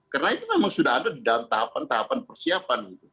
karena itu memang sudah ada dalam tahapan tahapan persiapan